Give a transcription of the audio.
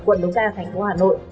quận đống đa thành phố hà nội